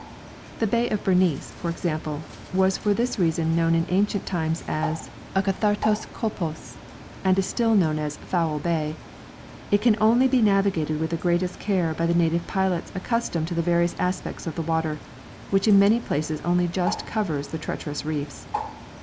The bay of Berenice, for example, was for this reason known in ancient times as akathartos kolpos, and is still known as 'Foul Bay'; it can only be navigated with the greatest care by native pilots accustomed to the various aspects of the water, which in many places only just covers the treacherous reefs.